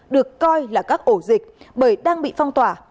được coi là các ổ dịch bởi đang bị phong tỏa